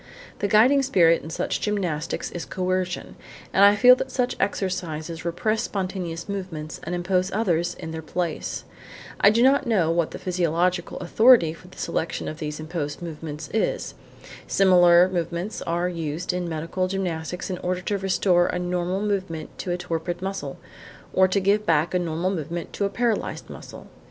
The guiding spirit in such gymnastics is coercion, and I feel that such exercises repress spontaneous movements and impose others in their place. I do not know what the psychological authority for the selection of these imposed movements is. Similar movements are used in medical gymnastics in order to restore a normal movement to a torpid muscle or to give back a normal movement to a paralysed muscle.